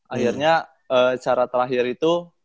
akhirnya cara terakhir itu